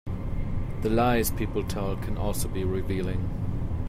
The lies people tell can also be revealing.